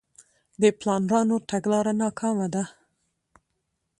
د پلانرانو تګلاره ناکامه ده.